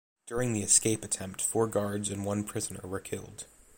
During the escape attempt four guards and one prisoner were killed.